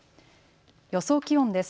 予想気温です。